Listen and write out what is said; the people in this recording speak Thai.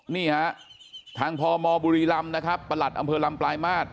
นี่ฮะทางพมบุรีลำนะครับประหลัดอำเภอลำปลายมาตร